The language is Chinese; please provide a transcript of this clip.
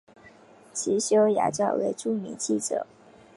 其兄羊枣为著名记者。